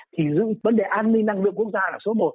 thì vấn đề an ninh năng lượng quốc gia là số một